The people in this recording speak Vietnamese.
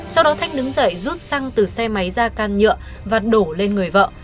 sau đó thách đứng dậy rút xăng từ xe máy ra can nhựa và đổ lên người vợ